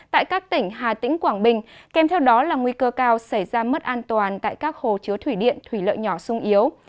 tại các tỉnh hà tĩnh quảng bình kèm theo đó là nguy cơ cao xảy ra mất an toàn tại các hồ chứa thủy điện thủy lợi nhỏ sung yếu